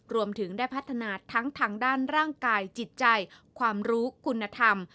รวมถึงได้พัฒนาทั้งทางด้านร่างกายจิตใจความรู้คุณธรรม